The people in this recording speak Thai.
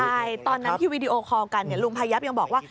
ใช่ตอนนั้นที่วีดีโอคอลกันลุงพายับยังบอกว่า